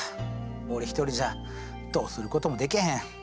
俺一人じゃどうすることもでけへん。